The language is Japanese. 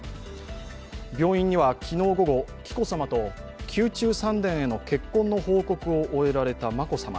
病院には昨日午後、紀子さまと宮中三殿への結婚の報告を終えられた眞子さま